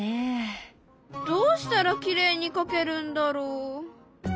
どうしたらきれいに描けるんだろう？